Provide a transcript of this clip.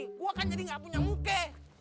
gue kan jadi nggak punya muka